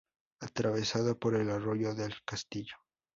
Atravesado por el Arroyo del Castillo.